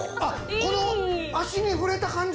この足に触れた感じ